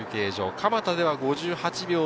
蒲田では５８秒。